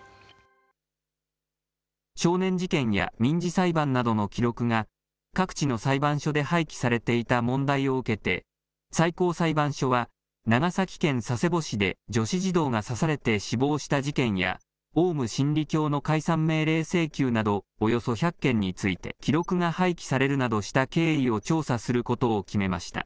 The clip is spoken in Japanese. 少年事件や民事裁判などの記録が、各地の裁判所で廃棄されていた問題を受けて、最高裁判所は、長崎県佐世保市で、女子児童が刺されて死亡した事件や、オウム真理教の解散命令請求など、およそ１００件について、記録が廃棄されるなどした経緯を調査することを決めました。